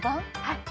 はい。